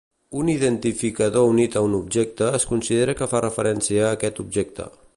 Un identificador unit a un objecte es considera que fa referència a aquest objecte.